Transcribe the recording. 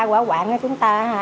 quả quạng chúng ta hả